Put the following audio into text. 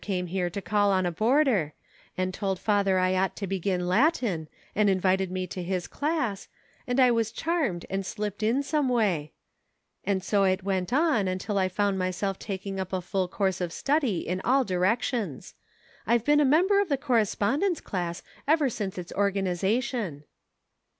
253 came here to call on a boarder, and told father I ought to begin Latin, and invited me to his class, and I was charmed and slipped in some way ; and so it went on until I found myself taking up a full course of study in all directions ; I've been a mem ber of the * correspondence class ' ever since its organization."